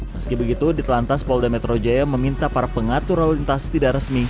meski begitu di telantas polda metro jaya meminta para pengatur lalu lintas tidak resmi